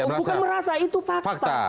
bukan merasa itu fakta